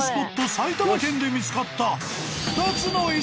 埼玉県で見つかった］